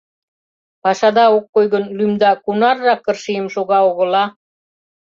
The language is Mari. Пашада ок кой гын, лӱмда кунаррак ыршийым шога огыла.